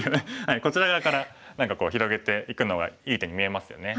こちら側から広げていくのがいい手に見えますよね。